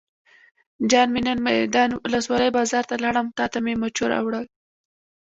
جان مې نن میوند ولسوالۍ بازار ته لاړم او تاته مې مچو راوړل.